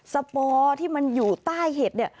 สปอที่มันอยู่ใต้เห็ดเนี่ย